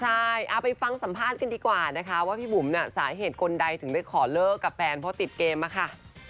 ใช่เอาไปฟังสัมภาษณ์กันดีกว่านะคะว่าพี่บุ๋มเนี่ยสาเหตุคนใดถึงได้ขอเลิกกับแฟนเพราะติดเกมอะค่ะ